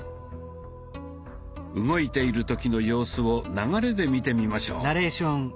動いている時の様子を流れで見てみましょう。